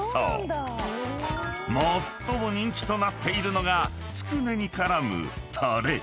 ［最も人気となっているのがつくねに絡むタレ］